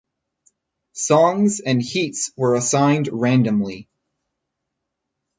Songs and heats were assigned randomly.